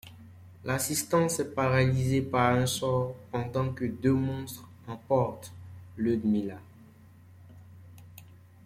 L'assistance est paralysée par un sort pendant que deux monstres emportent Ludmila.